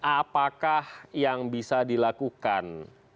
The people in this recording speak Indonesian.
apakah yang bisa dilakukan